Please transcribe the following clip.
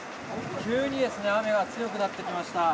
急に雨が強くなってきました。